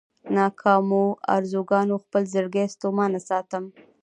ناکامو ارزوګانو خپل زړګی ستومانه ساتم.